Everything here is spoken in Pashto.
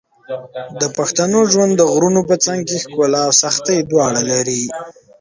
د پښتنو ژوند د غرونو په څنګ کې ښکلا او سختۍ دواړه لري.